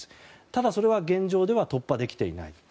ただそれは現状では突破できていない。